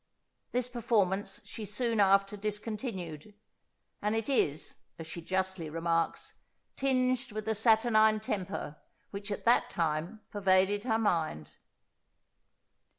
This performance she soon after discontinued; and it is, as she justly remarks, tinged with the saturnine temper which at that time pervaded her mind.